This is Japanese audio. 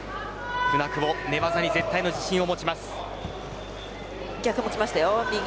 舟久保寝技に絶対の自信を持ちます。